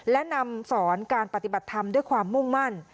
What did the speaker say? และนำสอนการปฏิบัติธรรมด้วยความมุ่งมั่น